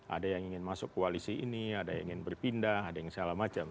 ada yang ingin masuk koalisi ini ada yang ingin berpindah ada yang salah macam